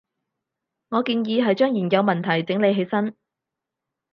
我建議係將現有問題整理起身